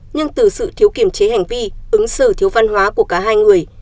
nhưng từ sự thiếu kiểm chế hành vi ứng xử thiếu văn hóa của cả hai người